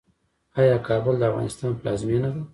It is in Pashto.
آیا کابل د افغانستان پلازمینه ده؟